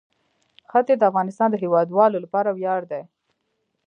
ښتې د افغانستان د هیوادوالو لپاره ویاړ دی.